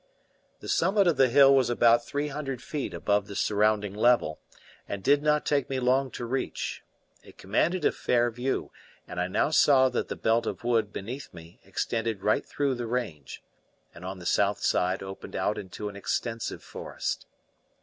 The summit of the hill was about three hundred feet above the surrounding level and did not take me long to reach; it commanded a fair view, and I now saw that the belt of wood beneath me extended right through the range, and on the south side opened out into an extensive forest.